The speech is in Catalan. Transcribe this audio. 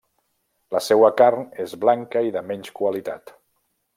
La seua carn és blanca i de menys qualitat.